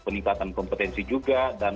peningkatan kompetensi juga dan